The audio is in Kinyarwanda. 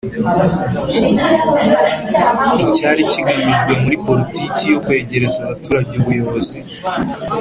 Icyari kigamijwe muri poritiki yo kwegereza abaturage ubuyobozi